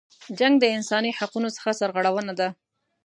جنګ د انسانی حقونو څخه سرغړونه ده.